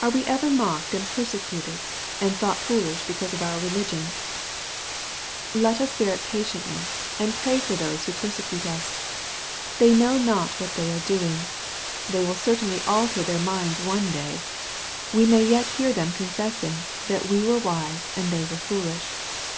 Are we ever mocked and persecuted and thought foolish because of our religion ? Let us bear it patiently^ 834 EZF08IT0BT THOUGHTS. and pray for thoee who persecute us. They know not what they are doing. They will certainly alter their minds one day. We may yet hear them confessing, that we were wise and they were foolish.